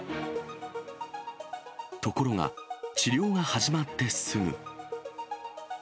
ところが、治療が始まってすぐ。